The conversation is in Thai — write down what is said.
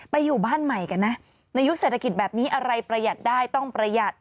อยู่บ้านใหม่กันนะในยุคเศรษฐกิจแบบนี้อะไรประหยัดได้ต้องประหยัด